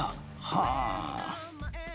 はあ。